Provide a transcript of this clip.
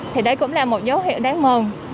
thì đấy cũng là một dấu hiệu đáng mừng